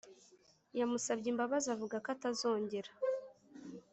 yamusabye imbabazi avuga ko atazongera